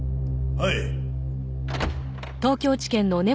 はい。